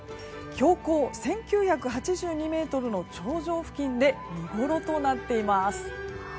標高１９８２ｍの頂上付近で見ごろとなっています。